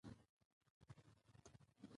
آمو سیند د افغانستان د پوهنې نصاب کې شامل دی.